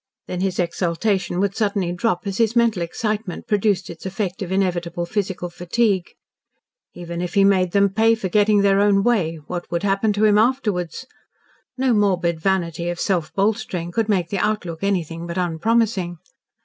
Then his exultation would suddenly drop as his mental excitement produced its effect of inevitable physical fatigue. Even if he made them pay for getting their own way, what would happen to himself afterwards? No morbid vanity of self bolstering could make the outlook anything but unpromising.